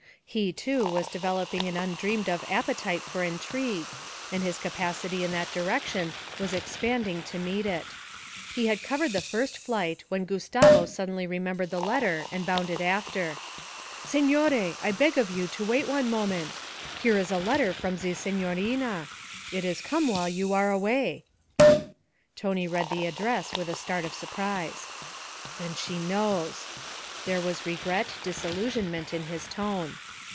He, too, was developing an undreamed of appetite for intrigue, and his capacity in that direction was expanding to meet it. He had covered the first flight, when Gustavo suddenly remembered the letter and bounded after. 'Signore! I beg of you to wait one moment. Here is a letter from ze signorina; it is come while you are away.' Tony read the address with a start of surprise. 'Then she knows!' There was regret, disillusionment, in his tone.